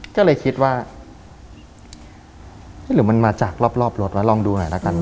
ก็เลยคิดว่าหรือมันมาจากรอบรถวะลองดูหน่อยละกัน